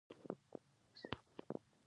• د علیزي قوم خلک د خپلې ټولنې ویاړ دي.